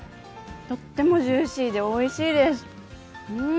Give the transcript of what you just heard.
とってもジューシーでおいしいです。